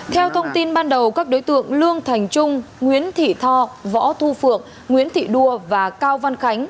theo thông tin ban đầu các đối tượng lương thành trung nguyễn thị tho võ thu phượng nguyễn thị đua và cao văn khánh